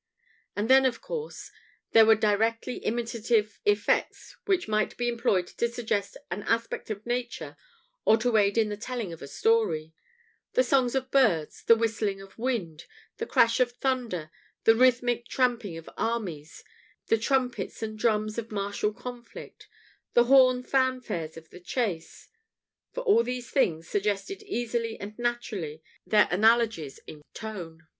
And then, of course, there were directly imitative effects which might be employed to suggest an aspect of nature or to aid in the telling of a story the songs of birds, the whistling of wind, the crash of thunder, the rhythmic tramping of armies, the trumpets and drums of martial conflict, the horn fanfares of the chase; for all these things suggested easily and naturally their analogies in tone.